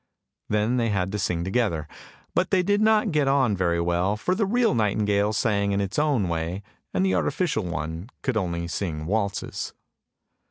Then they had to sing together, but they did not get on very well, for the real nightingale sang in its own way, and the arti ficial one could only sing waltzes.